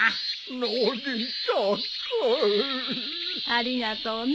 ありがとうね。